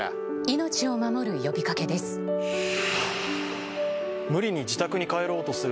命を守る呼びかけです。